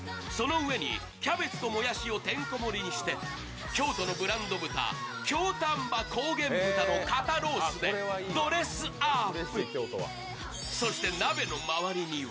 その上にキャベツともやしをてんこ盛りにして京都のブランド豚、京丹波高原豚の肩ロースでドレスアップ。